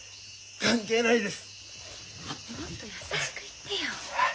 関係ないです。